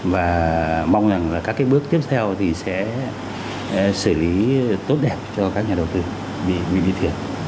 và mong rằng là các cái bước tiếp theo thì sẽ xử lý tốt đẹp cho các nhà đầu tư vì biết thiệt